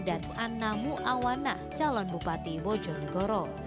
dan anamu awana calon bupati bojonegoro